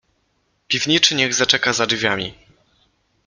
"Piwniczy niech zaczeka za drzwiami."